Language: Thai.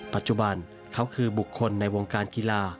ปัจจุบันเขาคือบุคคลในวงการกีฬา